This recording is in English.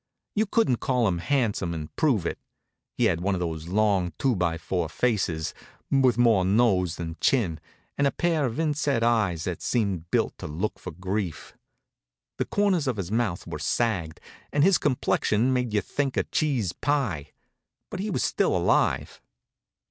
You couldn't call him handsome and prove it. He had one of those long, two by four faces, with more nose than chin, and a pair of inset eyes that seemed built to look for grief. The corners of his mouth were sagged, and his complexion made you think of cheese pie. But he was still alive.